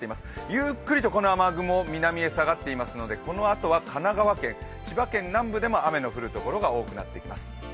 ゆっくりとこの雨雲、南へ下がっていますのでこのあとは神奈川県、千葉県南部でも雨の降るところが多くなってきます。